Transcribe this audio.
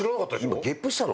今ゲップしたの？